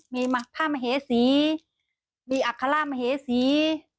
มีผ้ามเหสีมีอัครมเหสี